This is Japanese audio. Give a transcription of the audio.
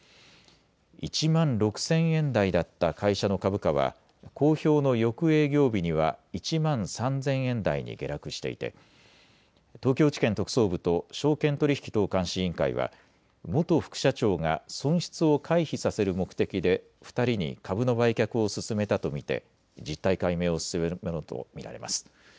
１万６０００円台だった会社の株価は公表の翌営業日には１万３０００円台に下落していて東京地検特捜部と証券取引等監視委員会は元副社長が損失を回避させる目的で２人に株の売却を勧めたと見て実態解明を進めるものと見られます。